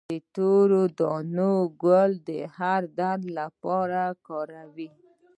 د تورې دانې ګل د هر درد لپاره وکاروئ